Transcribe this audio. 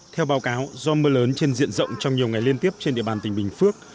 theo báo cáo do mưa lớn trên diện rộng trong nhiều ngày liên tiếp trên địa bàn tỉnh bình phước